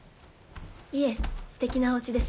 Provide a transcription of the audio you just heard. いえステキなお家です。